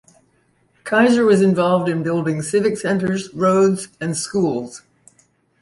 Kaiser was involved in building civic centers, roads, and schools.